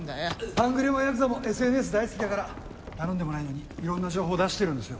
半グレもヤクザもＳＮＳ大好きだから頼んでもないのにいろんな情報出してるんですよ。